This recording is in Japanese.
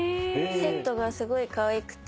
セットがすごいかわいくて。